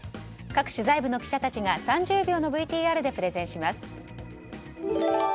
各取材部の記者たちが３０秒のＶＴＲでプレゼンします。